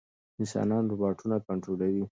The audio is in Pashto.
انسانان روباټونه کنټرولوي.